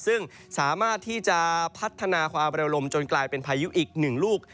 ซึ่งสามารถที่จะพัฒนาความเร็วลมจนกลายเป็นพายุอีกหนึ่งลูก